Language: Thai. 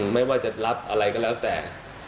ไม่ว่าจะรับอะไรก็แล้วแต่